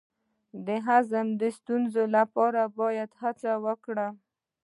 د هضم د ستونزې لپاره باید څه وکړم؟